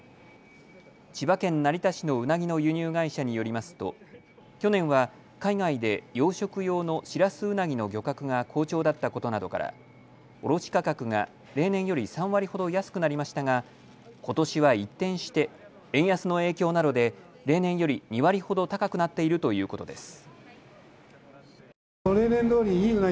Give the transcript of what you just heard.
千葉県成田市のうなぎの輸入会社によりますと去年は海外で養殖用のシラスウナギの漁獲が好調だったことなどから卸価格が例年より３割ほど安くなりましたが、ことしは一転して円安の影響などで例年より２割ほど高くなっているということです。